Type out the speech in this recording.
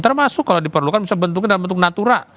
termasuk kalau diperlukan bisa bentuknya dalam bentuk natura